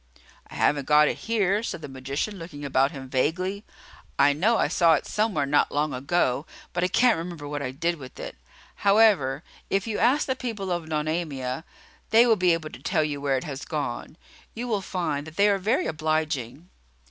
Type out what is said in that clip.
"I have n't got it here," said the magician, looking about him vaguely. "I know I saw it somewhere not long ago, but I can't remember what I did with it. However, if you ask the people of Nonamia, they will be able to tell you where it has gone. You will find that they are very obliging."